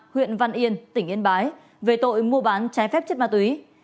huyện văn yên tỉnh yên bái về tội mua bán trái phép chất ma túy